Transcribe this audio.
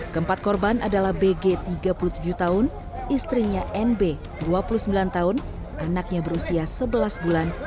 keempat korban adalah bg tiga puluh tujuh tahun istrinya nb dua puluh sembilan tahun anaknya berusia sebelas bulan